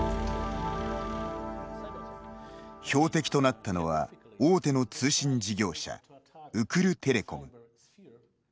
標的となったのは大手の通信事業者、ウクルテレコム。